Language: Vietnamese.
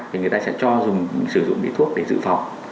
thì người ta sẽ sử dụng điện thuốc để giữ phòng